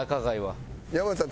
山内さん